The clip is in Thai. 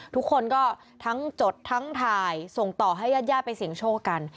ทุกคนก็ทั้งจดทั้งถ่ายส่งต่อให้ญาติญาติไปเสี่ยงโชคกัน